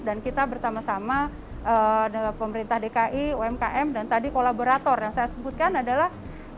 dan kita bersama sama dengan pemerintah dki umkm dan tadi kolaborator yang saya sebutkan adalah